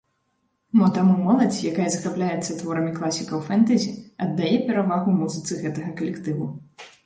Мо таму моладзь, якая захапляецца творамі класікаў фэнтэзі, аддае перавагу музыцы гэтага калектыву.